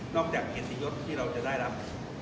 นอกจากเหตุยกที่เราจะได้รับ